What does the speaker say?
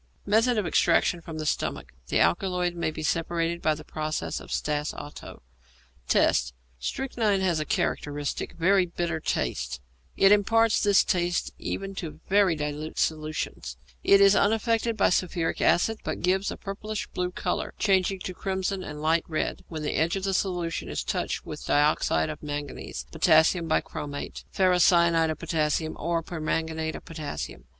Method of Extraction from the Stomach. The alkaloid may be separated by the process of Stas Otto. Tests. Strychnine has a characteristic, very bitter taste; it imparts this taste to even very dilute solutions; it is unaffected by sulphuric acid, but gives a purple blue colour, changing to crimson and light red, when the edge of this solution is touched with dioxide of manganese, potassium bichromate, ferricyanide of potassium, or permanganate of potassium.